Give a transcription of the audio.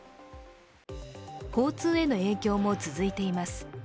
交通への影響も続いています。